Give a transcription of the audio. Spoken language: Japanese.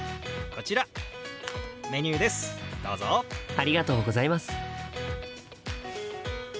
ありがとうございます。